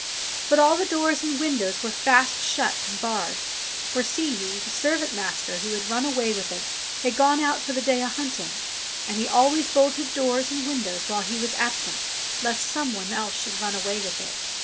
But all the doors and windows were fast shut and barred, for, see you, the servant master who had run away with it had gone out for the day a hunting, and he always bolted doors and windows while he was absent lest some one else should run away with it.